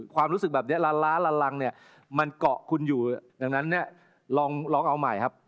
ความรู้สึกแบบนี้ละล้าละลังเนี่ยมันเกาะคุณอยู่ดังนั้นเนี่ยลองเอาใหม่ครับ